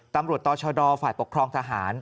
ตำรวจต่อชดฝ่ายปกครองทหาร